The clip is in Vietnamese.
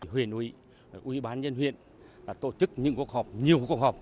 huyện ubnd ubnd huyện tổ chức những cuộc họp nhiều cuộc họp